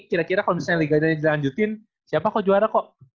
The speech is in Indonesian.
kira kira kalau misalnya liga jalan jalan jalanjutin siapa kok juara kok